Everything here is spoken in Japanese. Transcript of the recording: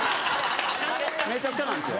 めちゃくちゃなんですよ。